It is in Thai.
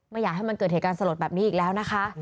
ไม่อยากให้มันเกิดเหตุการณ์สลดแบบนี้อีกแล้วนะคะ